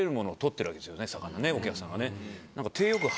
魚ねお客さんがね何か。